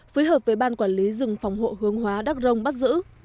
phối hợp với ban quản lý rừng phòng hộ hướng hóa đắc rông bắt giữ